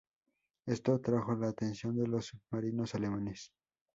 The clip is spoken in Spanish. Esto atrajo la atención de los submarinos alemanes.